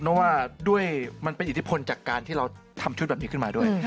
เพราะว่าด้วยมันเป็นอิทธิพลจากการที่เราทำชุดแบบนี้ขึ้นมาด้วย